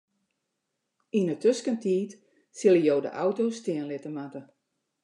Yn 'e tuskentiid sille jo de auto stean litte moatte.